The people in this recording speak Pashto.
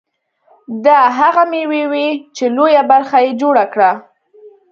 دا هغه مېوې وې چې لویه برخه یې جوړه کړه.